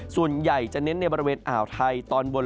ส่วนใหญ่จะเน้นในบริเวณอ่าวไทยตอนบน